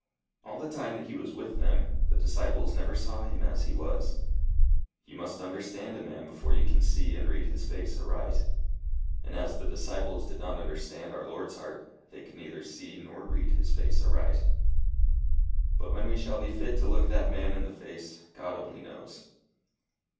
All the time that he was with them, the disciples never saw him as he was. You must understand a man before you can see and read his face aright; and as the disciples did not understand our Lord's heart, they could neither see nor read his face aright. But when we shall be fit to look that man in the face, God only knows."